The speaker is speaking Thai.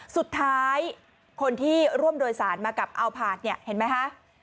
สุดท้ายคนที่ร่วมโดยสารมากับอัลพาร์ทเนี่ยเห็นไหมคะ